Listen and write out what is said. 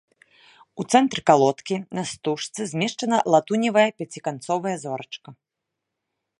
У цэнтры калодкі на стужцы змешчана латуневая пяціканцовая зорачка.